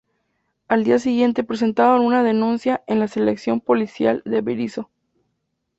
Al día siguiente presentaron una denuncia en la seccional policial de Berisso.